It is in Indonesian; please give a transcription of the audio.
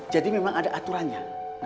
jadi memang ada aturannya